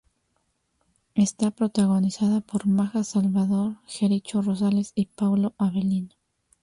Está protagonizada por Maja Salvador, Jericho Rosales y Paulo Avelino.